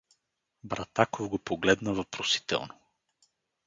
Братаков го погледна въпросително.